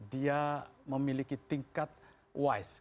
dia memiliki tingkat wise